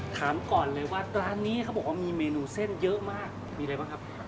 ถามก่อนเลยว่าร้านนี้เขาบอกว่ามีเมนูเส้นเยอะมากมีอะไรบ้างครับ